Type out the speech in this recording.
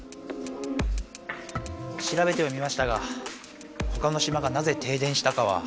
しらべてはみましたがほかのしまがなぜ停電したかは。